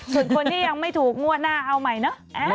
ส่วนคนที่ยังไม่ถูกงวดหน้าเอาใหม่เนอะ